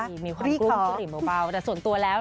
มีความกลุ้มทุหรี่เบาแต่ส่วนตัวแล้ว